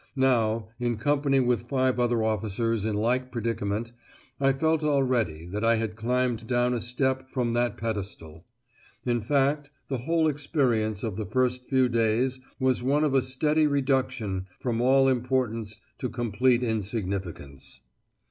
Now, in company with five other officers in like predicament, I felt already that I had climbed down a step from that pedestal; in fact, the whole experience of the first few days was one of a steady reduction from all importance to complete insignificance!